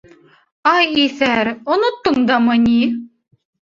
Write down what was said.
— Ай иҫәр, оноттоң дамы ни?